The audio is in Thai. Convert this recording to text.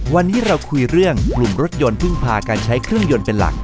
วันนี้เราคุยเรื่องกลุ่มรถยนต์เพิ่งพาการใช้เครื่องยนต์เป็นหลัก